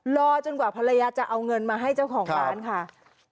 รอจนกว่าภรรยาจะเอาเงินมาให้เจ้าของร้านค่ะ